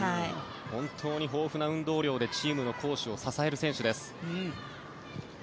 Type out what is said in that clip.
本当に豊富な運動量でチームの攻守を支える選手です。